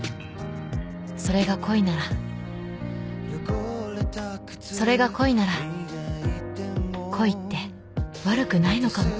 それが恋ならそれが恋なら恋って悪くないのかも。